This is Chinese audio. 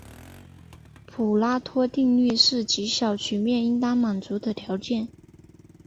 普拉托定律是极小曲面应当满足的条件。